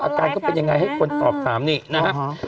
อาการเขาเป็นยังไงให้คนตอบถามนี่นะฮะ